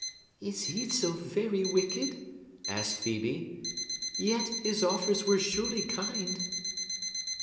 "Is he so very wicked?" asked Phœbe. "Yet his offers were surely kind!"